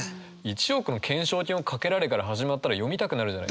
「一億の懸賞金をかけられ」から始まったら読みたくなるじゃないですか。